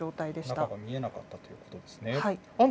中が見えなかったということですね。